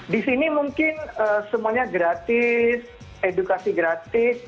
di sini mungkin semuanya gratis edukasi gratis